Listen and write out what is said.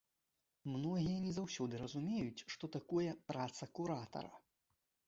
Многія не заўсёды разумеюць, што такое праца куратара.